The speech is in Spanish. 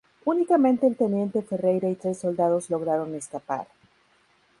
Únicamente el teniente Ferreira y tres soldados lograron escapar.